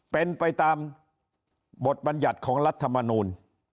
เป็นไปตามบทบัญญัติของรัฐมนูล